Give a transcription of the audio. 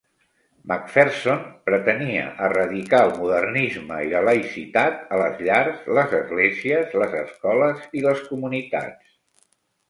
McPherson pretenia erradicar el modernisme i la laïcitat a les llars, les esglésies, les escoles i les comunitats.